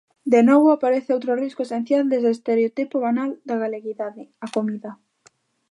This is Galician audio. De novo, aparece outro risco esencial dese estereotipo banal da galeguidade: a comida.